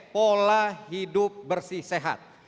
pola hidup bersih sehat